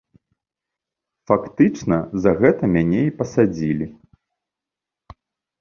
Фактычна, за гэта мяне і пасадзілі.